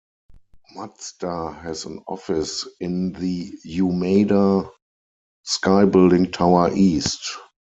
Mazda has an office in the Umeda Sky Building Tower East.